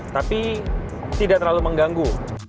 tapi tidak terlalu mengganggu